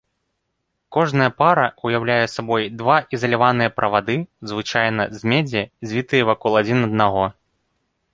Кожная пара ўяўляе сабой два ізаляваныя правады, звычайна з медзі, звітыя вакол адзін аднаго.